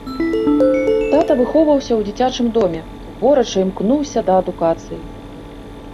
Тата выхоўваўся ў дзіцячым доме, горача імкнуўся да адукацыі.